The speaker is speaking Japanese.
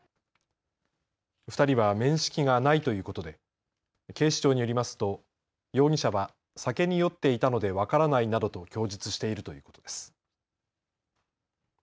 ２人は面識がないということで警視庁によりますと容疑者は酒に酔っていたので分からないなどと供述しているということです。